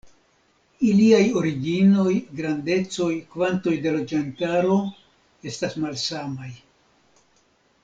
Iliaj originoj, grandecoj, kvantoj de loĝantaro estas malsamaj.